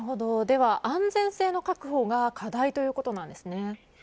安全性の確保が課題ということなんですね。